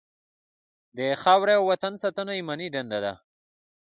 د خاورې او وطن ساتنه ایماني دنده ده.